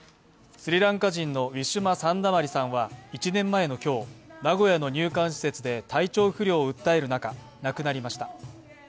スリランカ人のウィシュマ・サンダマリさんは１年前の今日、名古屋の入管施設で体調不良を訴える中、亡くなりました。